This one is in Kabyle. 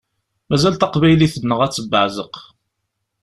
Mazal taqbaylit-nneɣ ad tebbeɛzeq.